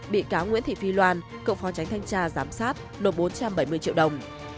bị cáo nguyễn thị phi loan cựu phó tránh thanh tra giám sát nộp bốn trăm bảy mươi triệu đồng